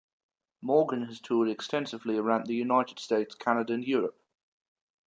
Morgan has toured extensively around the United States, Canada and Europe.